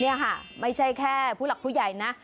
นี่ค่ะไม่ใช่แค่ผู้หลักผู้ใหญ่นะ